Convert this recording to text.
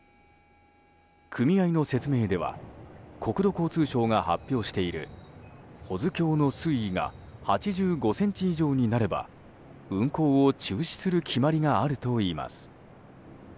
組合の説明では国土交通省が発表している保津峡の水位が８５ｃｍ以上になれば運航を中止する決まりがあるといいます。